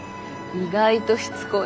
意外としつこい。